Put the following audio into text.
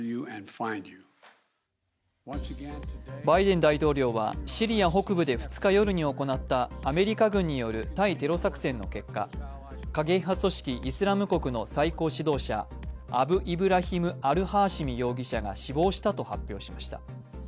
バイデン大統領は、シリア北部で２日夜に行ったアメリカ軍による対テロ作戦の結果、過激派組織イスラム国の最高指導者アブ・イブラヒム・アル・ハーシミ容疑者が死亡したと発表しました。